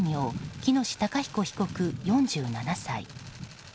喜熨斗孝彦被告、４７歳。